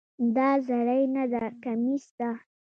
دا زری نده، کمیس ده.